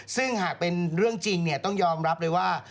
ซึ่งหากเป็นเรื่องจริงต้องยอมรับเลยว่า